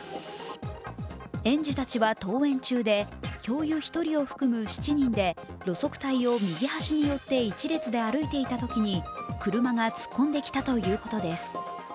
園児たちは登園中で教諭１人を含む７人で路側帯を右端に寄って１列で歩いていたときに車が突っ込んできたということです。